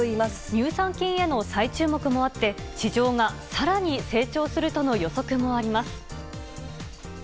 乳酸菌への再注目もあって、市場がさらに成長するとの予測もあります。